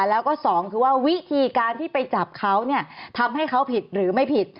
แล้วก็สองคือว่าวิธีการที่ไปจับเขาเนี่ยทำให้เขาผิดหรือไม่ผิด